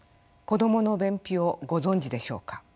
子どもの便秘をご存じでしょうか。